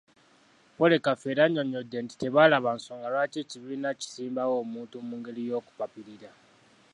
Polly Kafeero annyonnyodde nti tebalaba nsonga lwaki ekibiina kisimbawo omuntu mungeri y'okupapirira.